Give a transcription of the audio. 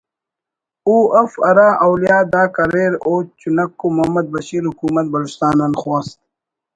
ءُ اف ہرا اولیاد آک اریر او چنک ءُ محمد بشیر حکومت بلوچستان آن خواست